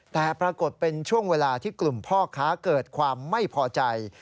แต่ปรากฏเป็นช่วงเวลาที่กลุ่มพ่อค้าเกิดความไม่พอใจ